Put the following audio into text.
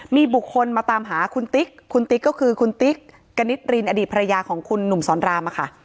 มีบุคคลมาตามหาคุณติ๊กคุณติ๊กก็คือคุณติ๊กกณิตรินอดีตภรรยาของคุณหนุ่มสอนรามค่ะ